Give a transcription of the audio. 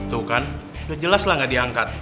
tuh kan udah jelas lah nggak diangkat